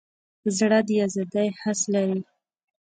زړه د ازادۍ حس لري.